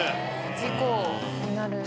事故になる。